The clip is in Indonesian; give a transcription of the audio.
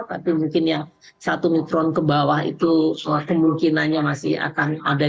tapi mungkin yang satu micron kebawah itu kemungkinannya masih akan ada di sana